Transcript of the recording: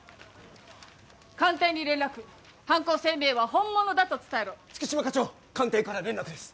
官邸に連絡犯行声明は本物だと伝えろ・月島課長官邸から連絡です